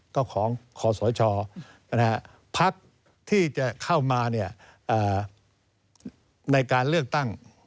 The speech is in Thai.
ก็ของคอสชพักที่จะเข้ามาในการเลือกตั้ง